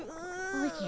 おじゃ。